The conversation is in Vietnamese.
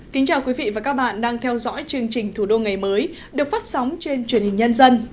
kính chào quý vị và các bạn đang theo dõi chương trình thủ đô ngày mới được phát sóng trên truyền hình nhân dân